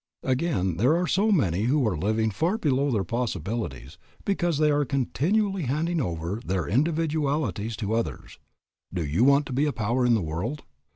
Again there are many who are living far below their possibilities because they are continually handing over their individualities to others. Do you want to be a power in the world?